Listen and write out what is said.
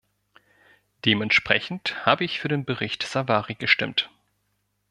Dementsprechend habe ich für den Bericht Savary gestimmt.